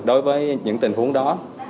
đối với những tình huống đó